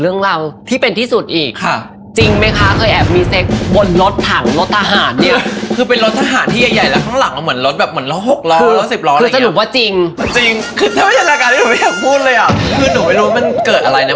ก็ท้องถ่ากันเดินไปตามแบบที่ตรงกองรอยเหลืออะไรอย่างนี้